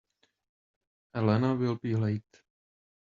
Elena will be late.